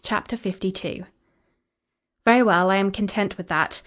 CHAPTER LII "Very well; I am content with that."